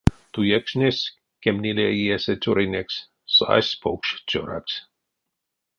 Туекшнесь кемнилее иесэ цёрынекс, сась покш цёракс.